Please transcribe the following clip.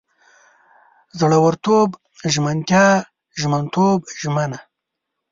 زړورتوب، ژمنتیا، ژمنتوب، ژمنه